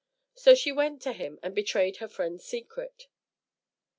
So she went to him, and betrayed her friend's secret.